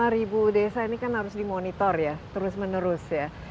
lima ribu desa ini kan harus dimonitor ya terus menerus ya